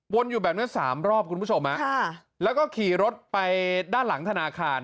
อยู่แบบเนี้ยสามรอบคุณผู้ชมแล้วก็ขี่รถไปด้านหลังธนาคาร